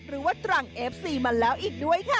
หรือว่าตรังเอฟซีมาแล้วอีกด้วยค่ะ